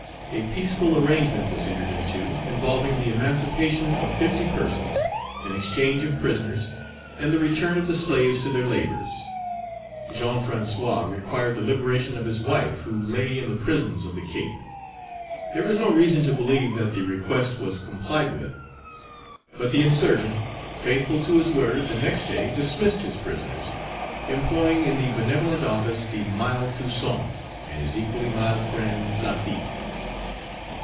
A peaceful arrangement was entered into, involving the Page 59 emancipation of fifty persons, an exchange of prisoners, and the return of the slaves to their labors. Jean François required the liberation of his wife, who lay in the prisons of the Cape. There is no reason to believe that the request was complied with. But the insurgent, faithful to his word, the next day dismissed his prisoners, employing in the benevolent office the mild Toussaint, and his equally mild friend, Lafitte.